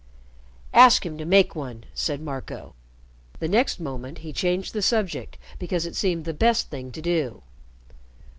"Ask him to make one," said Marco. The next moment he changed the subject because it seemed the best thing to do.